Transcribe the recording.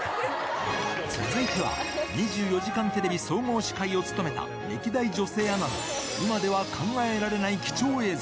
続いては、２４時間テレビ総合司会を務めた歴代女性アナの今では考えられない貴重映像。